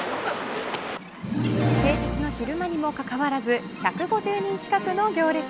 平日の昼間にもかかわらず１５０人近くの行列。